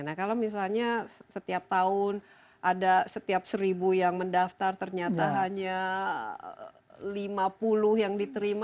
nah kalau misalnya setiap tahun ada setiap seribu yang mendaftar ternyata hanya lima puluh yang diterima